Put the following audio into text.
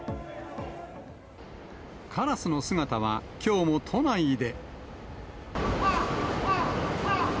カラスの姿はきょうも都内で。